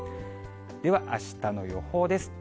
では、あしたの予報です。